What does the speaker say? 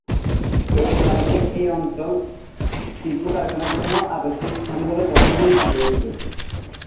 একারণে এ অঞ্চল শিল্প-কারখানার জন্য আদর্শ স্থান বলে তখন বিবেচিত হয়েছিল।